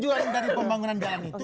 tujuan dari pembangunan jalan itu